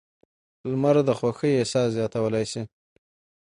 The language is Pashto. لمر د خوښۍ احساس زیاتولی شي.